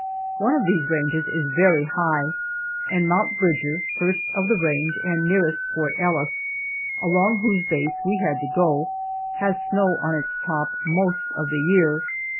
One of these ranges is very high, and Mount Bridger, first of the range and nearest Fort Ellis, along whose base we had to go, has snow on its top most of the year.